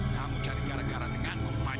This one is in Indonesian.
kamu jadi gara gara dengan kumpanya